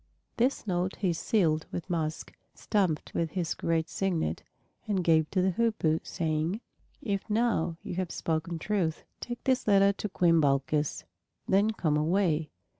This note he sealed with musk, stamped with his great signet, and gave to the Hoopoe, saying, "If now you have spoken truth, take this letter to Queen Balkis; then come away."